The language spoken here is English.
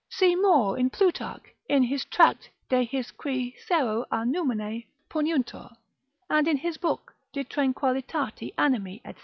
See more in Plutarch, in his tract De his qui sero a Numine puniuntur, and in his book De tranquillitate animi, &c.